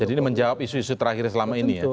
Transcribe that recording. jadi ini menjawab isu isu terakhirnya selama ini ya